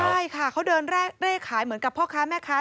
ใช่ค่ะเขาเดินเร่ขายเหมือนกับพ่อค้าแม่ค้า